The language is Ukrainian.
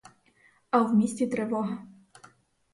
А в місті тривога.